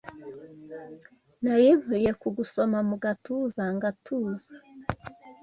Nari nkwiye kugusoma mugatuza ngatuza